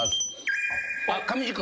あっ上地君。